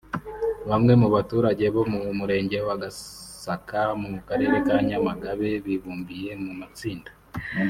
Bamwe mu baturage bo mu Murenge wa Gasaka mu Karere ka Nyamagabe bibumbiye mu matsinda